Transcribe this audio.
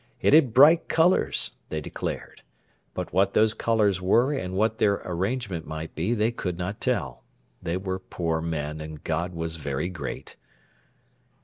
It had bright colours, they declared; but what those colours were and what their arrangement might be they could not tell; they were poor men, and God was very great.